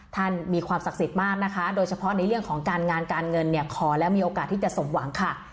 ท่านมีความศักดิ์สิทธิ์มากนะคะโดยเฉพาะในเรื่องของการงานการเงินเนี่ยขอแล้วมีโอกาสที่จะสมหวังค่ะ